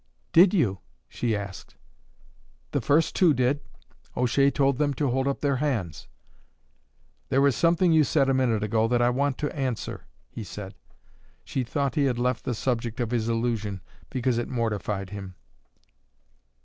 "Did you?" she asked. "The first two did; O'Shea told them to hold up their hands." "There is something you said a minute ago that I want to answer," he said. She thought he had left the subject of his illusion because it mortified him.